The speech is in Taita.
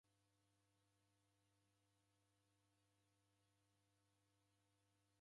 Kwadima kujoka mdinyi ama ndekuichi?